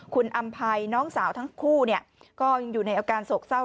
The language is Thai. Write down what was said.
คุณอำภัยน้องสาวทั้งคู่ก็ยังอยู่ในอาการโศกเศร้า